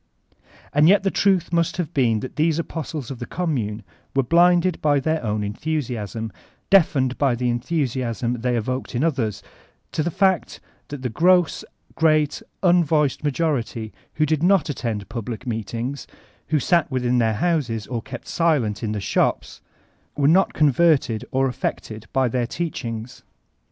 And yet the truth must have been that these apostles of the Commune were blinded by their own enthusiasm, deafened by the enthusiasm they evoked in others, to the fact that the great unvoiced majority who did not attend public meetings, who sat within their houses or kept silent in tile shops, were not converted or affected by their teachinss.